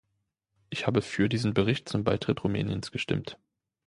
Ich habe für diesen Bericht zum Beitritt Rumäniens gestimmt.